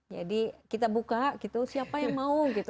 jadi kita buka gitu siapa yang mau gitu